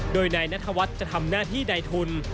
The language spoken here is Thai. โดยนายนัทวัฒน์จะทำหน้าที่ในทุน